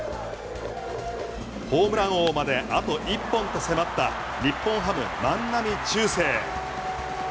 ホームラン王まであと１本と迫った日本ハム、万波中正。